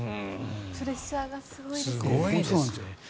プレッシャーがすごいですね。